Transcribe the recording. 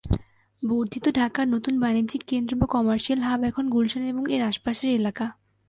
বর্ধিত ঢাকার নতুন বাণিজ্যিক কেন্দ্র বা কমার্শিয়াল হাব এখন গুলশান এবং এর আশপাশের এলাকা।